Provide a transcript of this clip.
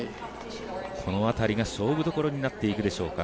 この辺りが勝負どころになっていくでしょうか。